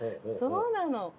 そうなの。